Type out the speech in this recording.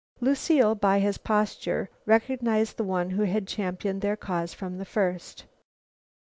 Lucile, by his posture, recognized the one who had championed their cause from the first.